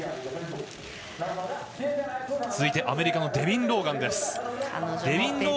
続いてアメリカのデビン・ローガンです。